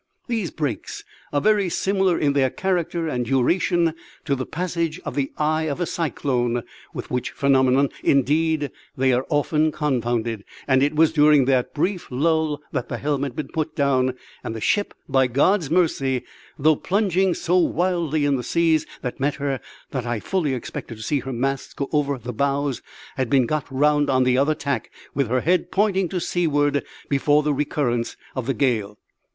These "breaks" are very similar in their character and duration to the passage of "the eye" of a cyclone, with which phenomenon, indeed, they are often confounded; and it was during that brief lull that the helm had been put down, and the ship, by God's mercy though plunging so wildly in the seas that met her that I fully expected to see her masts go over the bows had been got round on the other tack, with her head pointing to seaward before the recurrence of the gale.